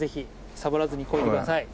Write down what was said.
サボらずに漕いでください。